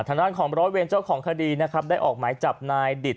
ทางด้านของร้อยเวรเจ้าของคดีนะครับได้ออกหมายจับนายดิต